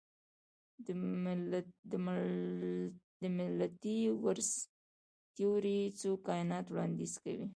د ملټي ورس تیوري څو کائنات وړاندیز کوي.